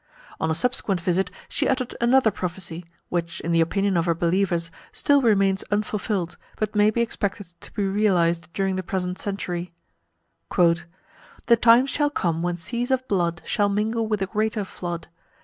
On a subsequent visit she uttered another prophecy, which, in the opinion of her believers, still remains unfulfilled, but may be expected to be realised during the present century: "The time shall come when seas of blood Shall mingle with a greater flood.